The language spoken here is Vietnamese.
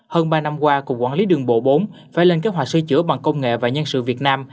hơn ba năm qua cục quản lý đường bộ bốn phải lên kế hoạch sửa chữa bằng công nghệ và nhân sự việt nam